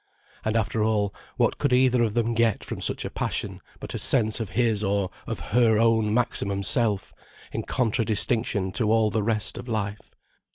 And after all, what could either of them get from such a passion but a sense of his or of her own maximum self, in contradistinction to all the rest of life?